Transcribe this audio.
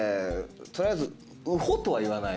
取りあえずウホとはいわない。